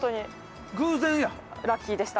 ラッキーでした。